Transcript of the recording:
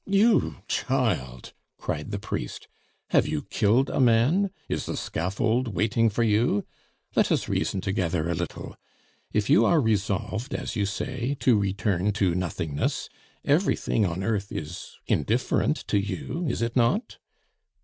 "You, child!" cried the priest. "Have you killed a man? Is the scaffold waiting for you? Let us reason together a little. If you are resolved, as you say, to return to nothingness, everything on earth is indifferent to you, is it not?"